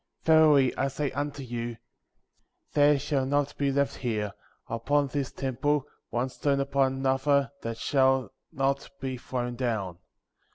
Verily I say unto you, there shall not be left here, upon this temple, one stone upon another that shall not be thrown down.